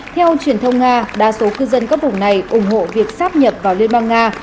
theo truyền thông nga đa số cư dân các vùng này ủng hộ việc sắp nhập vào liên bang nga